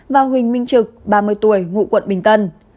và huỳnh minh trực ba mươi tuổi ngụ quận bình tân